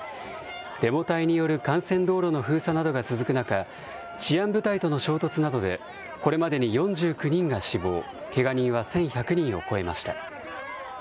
デモ隊による幹線道路の封鎖などが続く中、治安部隊との衝突などでこれまでに４９人が死亡、けが人は１１００人を超えました。